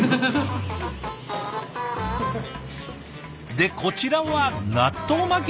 でこちらは納豆巻き？